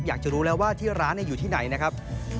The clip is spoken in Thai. อยากจะรู้แล้วว่าที่ร้านอยู่ที่ไหนนะครับ